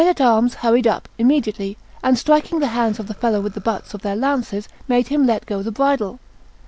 26] The men at arms hurried up immediately, and striking the hands of the fellow with the butts of their lances, made him let go the bridle.